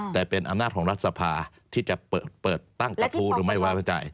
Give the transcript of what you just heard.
แต่เป็นอำนาจของรัฐสภาที่จะเปิดตั้งกระทู้หรือไม่ไว้ใจ